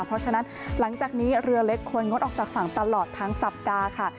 เพราะฉะนั้นหลังจากนี้เรือเล็กควรงดออกจากฝั่งตลอดทั้งสัปดาห์ค่ะ